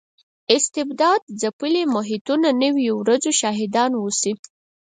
استبداد ځپلي محیطونه نویو ورځو شاهدان اوسي.